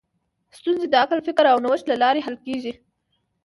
ستونزې د عقل، فکر او نوښت له لارې حل کېږي.